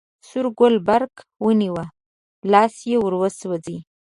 سور ګل برق ونیوی، لاس یې وروسوځوی.